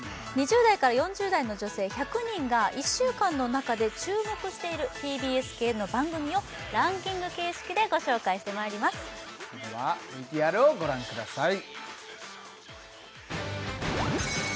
２０代から４０代の女性１００人が１週間の中で注目しているＴＢＳ系の番組をランキング形式でご紹介してまいりますではＶＴＲをご覧ください